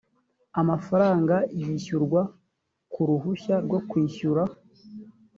amafaranga yishyurwa ku ruhushya rwo kwishyura